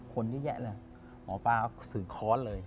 คนเยอะแยะเลยหมอปลาสื่อค้อนเลย